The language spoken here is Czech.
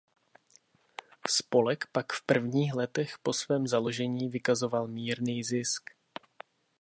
Spolek pak v prvních letech po svém založení vykazoval mírný zisk.